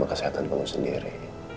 kalo kesehatan kamu sendiri